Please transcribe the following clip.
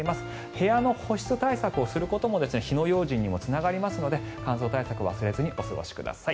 部屋の保湿対策をすることも火の用心につながりますので乾燥対策忘れずにお過ごしください。